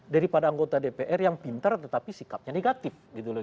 daripada anggota dpr yang pintar tetapi sikapnya negatif gitu loh